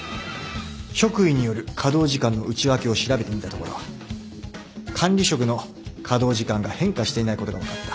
職位による稼働時間の内訳を調べてみたところ管理職の稼働時間が変化していないことが分かった。